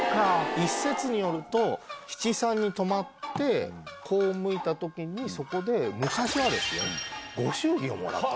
一説によると七三に止まってこう向いた時にそこで昔はご祝儀をもらった。